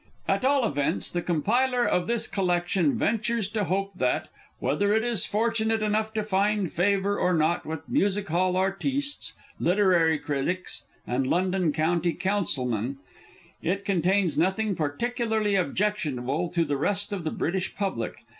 At all events, the compiler of this collection ventures to hope that, whether it is fortunate enough to find favour or not with Music hall "artistes," literary critics, and London County Councilmen, it contains nothing particularly objectionable to the rest of the British Public.